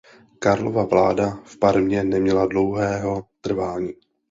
Karlova vláda v Parmě neměla dlouhé trvání.